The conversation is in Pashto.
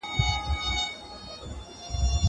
زه به خبري کړي وي.